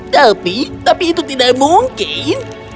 tapi tapi itu tidak mungkin